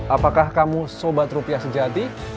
apakah kamu sobat rupiah sejati